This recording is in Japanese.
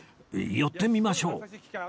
寄ってみましょう